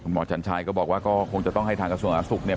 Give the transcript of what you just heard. หมอชันชัยก็บอกว่าก็คงจะต้องให้ทางกระทรวงอาศุกร์เนี่ย